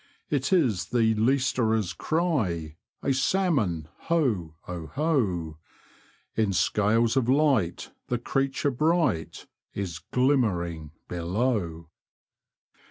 It is the leisterers' cry ! A salmon, ho ! oho ! In scales of light, the creature bright Is glimmering below.